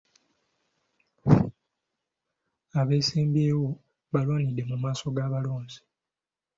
Abeesimbyewo baalwanidde mu maaso g'abalonzi.